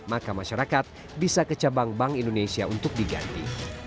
maka masyarakat bisa ke cabang bank indonesia untuk diganti